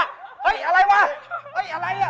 เฮ้ยอะไรวะเฮ้ยอะไรอ่ะ